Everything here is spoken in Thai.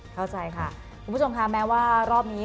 เข้าใจค่ะคุณผู้ชมค่ะแม้ว่ารอบนี้